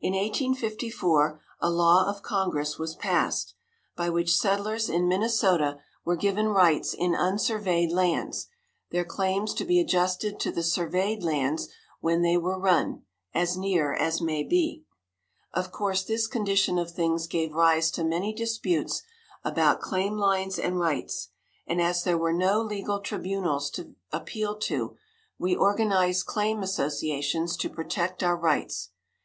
In 1854 a law of congress was passed, by which settlers in Minnesota were given rights in unsurveyed lands, their claims to be adjusted to the surveyed lines, when they were run, "as near as may be." Of course, this condition of things gave rise to many disputes about claim lines and rights, and as there were no legal tribunals to appeal to, we organized claim associations to protect our rights.